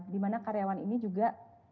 dimana karyawan ini juga